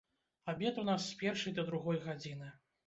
Абед у нас з першай да другой гадзіны.